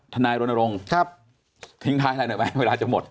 นายรณรงค์ทิ้งท้ายอะไรหน่อยไหมเวลาจะหมด